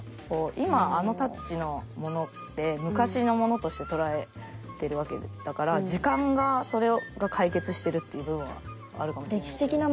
今あのタッチのものって昔のものとして捉えてるわけだから時間がそれを解決してるっていう部分はあるかもしれないですね。